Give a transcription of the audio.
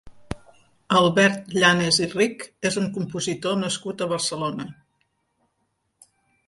Albert Llanas i Rich és un compositor nascut a Barcelona.